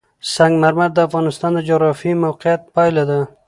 سنگ مرمر د افغانستان د جغرافیایي موقیعت پایله ده.